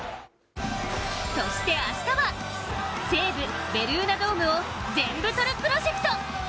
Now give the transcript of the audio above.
そして明日は西武ベルーナドームをぜんぶ撮るプロジェクト。